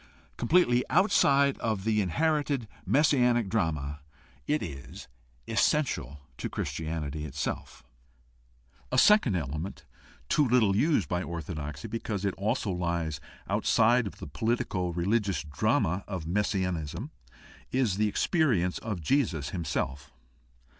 Completely outside of the inherited messianic drama, it is essential Christianity itself. A second element, too little used by orthodoxy because it also lies outside of the politico religious drama of messian ism, is the experience of Jesus himself.